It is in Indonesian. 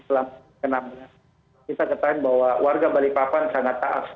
kita ketahui bahwa warga balikpapan sangat taaf